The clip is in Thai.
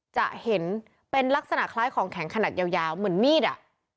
จะเห็นเป็นลักษณะคล้ายของแข็งขนาดยาวเหมือนมีดอ่ะ